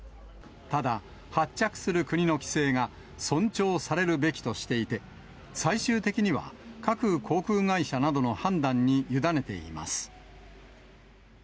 ただ、発着する国の規制が尊重されるべきとしていて、最終的には各航空会社などの判断に委ねています。